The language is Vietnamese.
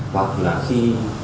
hoặc là khi